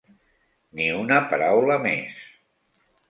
Ni una paraula més.